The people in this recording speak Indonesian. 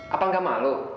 apa enggak malu